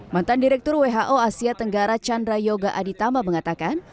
mantan direktur who asia tenggara chandra yoga aditama mengatakan